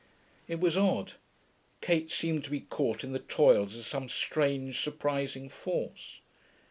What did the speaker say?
It was odd. Kate seemed to be caught in the toils of some strange, surprising force.